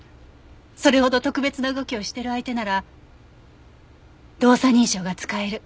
それほど特別な動きをしてる相手なら動作認証が使える。